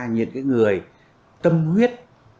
những người tâm huyết